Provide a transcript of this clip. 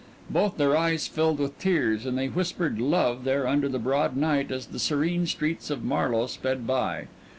Both their eyes filled with tears and they whispered love there under the broad night as the serene streets of Marlowe sped by.